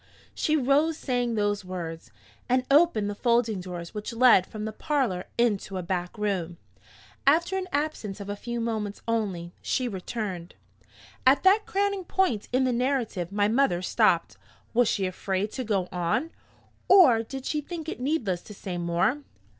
She rose saying those words, and opened the folding doors which led from the parlor into a back room. After an absence of a few moments only, she returned." At that crowning point in the narrative, my mother stopped. Was she afraid to go on? or did she think it needless to say more?